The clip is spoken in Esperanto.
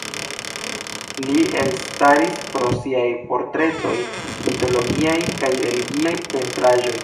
Li elstaris pro siaj portretoj, mitologiaj kaj religiaj pentraĵoj.